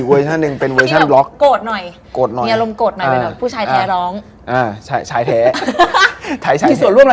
คือสมมุติว่า